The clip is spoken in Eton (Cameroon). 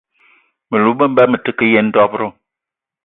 Me lou me ba me te ke yen dob-ro